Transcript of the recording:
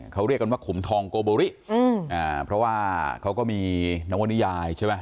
เขาเรียกกันว่าขุมทองโกโบริเพราะว่าเขาก็มีนวนิยายใช่ไหม